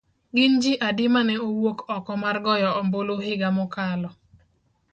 Gin ji adi ma ne owuok oko mar goyo ombulu higa mokalo.